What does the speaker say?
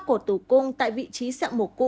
của tử cung tại vị trí sẹo mổ cũ